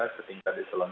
setingkat di salon satu